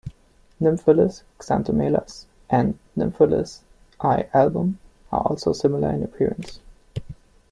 "Nymphalis xanthomelas" and "Nymphalis l-album" are also similar in appearance.